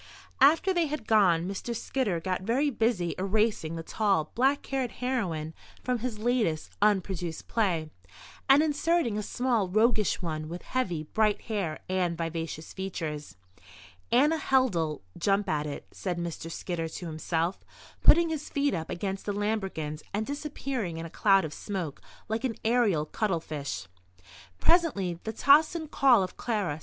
After they had gone Mr. Skidder got very busy erasing the tall, black haired heroine from his latest (unproduced) play and inserting a small, roguish one with heavy, bright hair and vivacious features. "Anna Held'll jump at it," said Mr. Skidder to himself, putting his feet up against the lambrequins and disappearing in a cloud of smoke like an aerial cuttlefish. Presently the tocsin call of "Clara!"